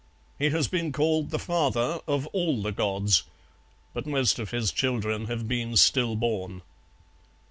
He has been called the Father of all the Gods, but most of his children have been stillborn."